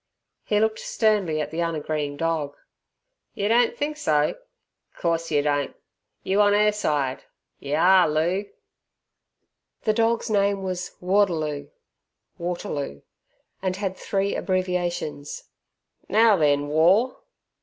He looked sternly at the unagreeing dog. "Yer don't think so! Course yer don't. You on 'er side? Yer are, Loo!" The dog's name was "Warderloo" (Waterloo) and had three abbreviations. "Now then, War!"